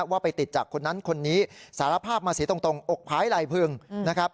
ว่าไปติดจากคนนั้นคนนี้สารภาพมาเสียตรงอกพายไหล่พึงนะครับ